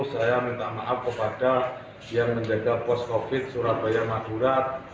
saya minta maaf kepada yang menjaga pos covid sembilan belas surabaya madurat